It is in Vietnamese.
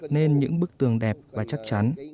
nên những bức tường đẹp và chắc chắn